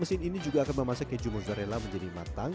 mesin ini juga akan memasak keju mozzarella menjadi matang